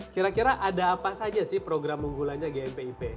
kira kira ada apa saja sih program unggulannya gmpip